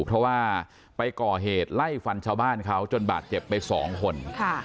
เพราะว่าไปก่อเหตุไล่ฟันชาวบ้านเขาจนบาดเจ็บไปสองคน